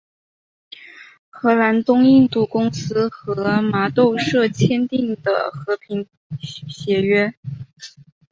荷兰东印度公司和麻豆社签订的和平协约。